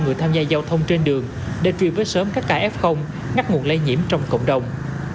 người tham gia giao thông trên đường để truy vết sớm các ca f ngắt nguồn lây nhiễm trong cộng đồng